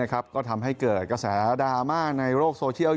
ก็ทำให้เกิดกระแสดราม่าในโลกโซเชียล